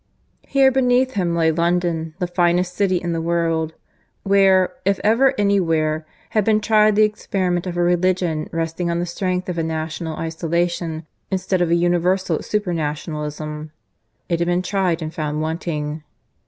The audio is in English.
Here beneath him lay London, the finest city in the world, where, if ever anywhere, had been tried the experiment of a religion resting on the strength of a national isolation instead of an universal supernationalism; it had been tried, and found wanting.